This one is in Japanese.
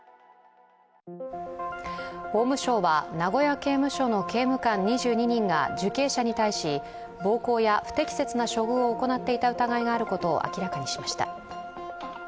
法務省は名古屋刑務所の刑務官２２人が受刑者に対し、暴行や不適切な処遇を行っていた疑いがあることを明らかにしました。